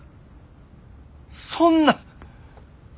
そんな！